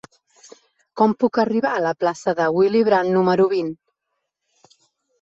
Com puc arribar a la plaça de Willy Brandt número vint?